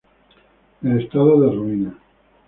El estado de ruina.